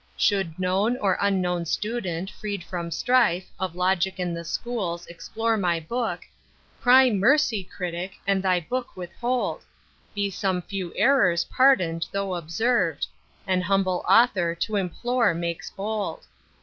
Should known or unknown student, freed from strife Of logic and the schools, explore my book: Cry mercy critic, and thy book withhold: Be some few errors pardon'd though observ'd: An humble author to implore makes bold.